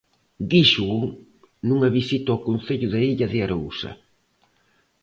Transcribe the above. Díxoo nunha visita ao concello da Illa de Arousa.